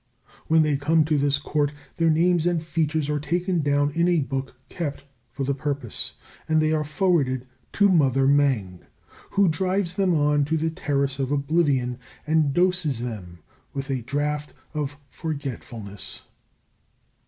When they come to this Court their names and features are taken down in a book kept for the purpose, and they are forwarded to Mother Mêng, who drives them on to the Terrace of Oblivion and doses them with the draught of forgetfulness.